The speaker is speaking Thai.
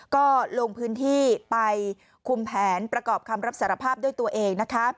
ก็ลงพื้นที่ไปคุมแผนประกอบคำรับสารภาพด้วยตัวเองนะคะ